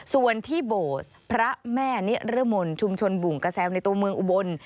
ส่วนที่โบสถ์พระแม่นิรมนชุมชนบุ่งกระแซวในตัวเมืองอุบล